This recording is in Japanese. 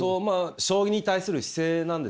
将棋に対する姿勢なんですよね。